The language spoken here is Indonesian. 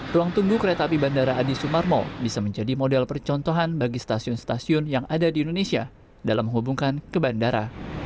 ruang tunggu kereta api bandara adi sumarmo bisa menjadi model percontohan bagi stasiun stasiun yang ada di indonesia dalam menghubungkan ke bandara